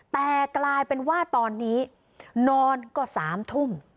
แต่กลายเป็นว่าตอนนี้นอนก็๓ทุ่ม